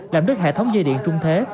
làm đứt hệ thống dây điện trung thế